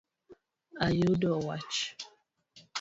Ayudo wach